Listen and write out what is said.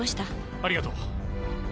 ありがとう